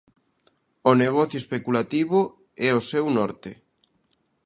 O negocio especulativo é o seu norte.